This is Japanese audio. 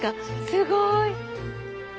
すごい！